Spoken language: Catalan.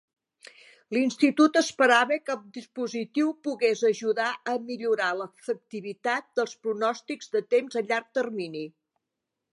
L'Institut esperava que el dispositiu pogués ajudar a millorar l'efectivitat dels pronòstics de temps a llarg termini.